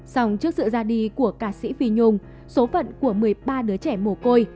xong trước sự ra đi của ca sĩ phi nhung số phận của một mươi ba đứa trẻ mồ côi